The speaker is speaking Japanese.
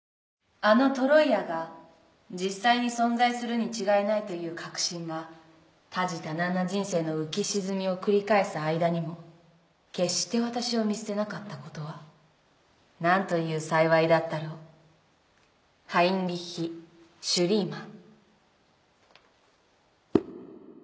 「あのトロイアが実際に存在するに違いないという確信が多事多難な人生の浮き沈みを繰り返す間にも決して私を見捨てなかったことは何という幸いだったろう」「ハインリッヒ・シュリーマン」